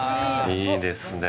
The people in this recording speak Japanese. いいですね。